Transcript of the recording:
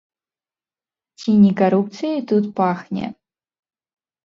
Ці не карупцыяй тут пахне?